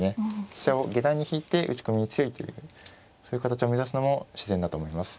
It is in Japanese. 飛車を下段に引いて打ち込みに強いというそういう形を目指すのも自然だと思います。